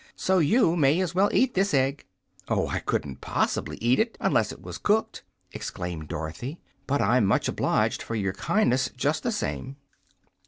So you may as well eat this egg." "Oh, I couldn't POSS'BLY eat it, unless it was cooked," exclaimed Dorothy. "But I'm much obliged for your kindness, just the same."